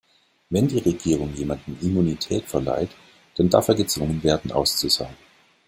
Wenn die Regierung jemandem Immunität verleiht, dann darf er gezwungen werden, auszusagen.